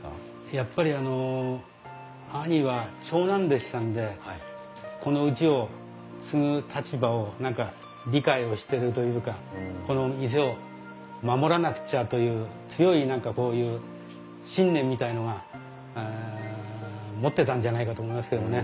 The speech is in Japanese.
やっぱり兄は長男でしたんでこのうちを継ぐ立場を何か理解をしてるというかこの店を守らなくちゃという強い何かこういう信念みたいのが持ってたんじゃないかと思いますけどもね。